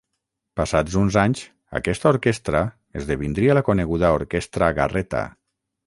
Passats uns anys, aquesta orquestra esdevindria la coneguda Orquestra Garreta.